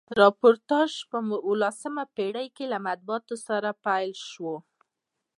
راپورتاژپه اوولسمه پیړۍ کښي له مطبوعاتو سره پیل سوی.